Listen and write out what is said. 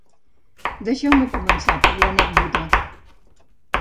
Deixeu-me començar per l’anècdota.